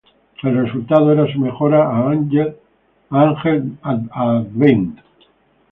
El resultado era su "mejora" a Angel Advent.